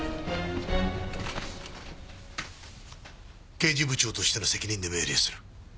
刑事部長としての責任で命令する。